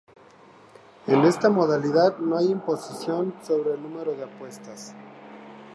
En esta modalidad no hay imposición sobre el número de apuestas.